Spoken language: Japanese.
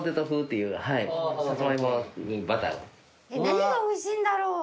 何がおいしいんだろう？